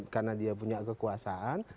karena dia punya kekuasaan